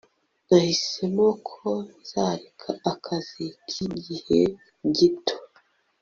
Nahisemo ko nzareka akazi kigihe gito